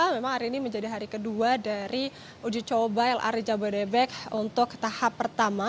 memang hari ini menjadi hari kedua dari uji coba lrt jabodebek untuk tahap pertama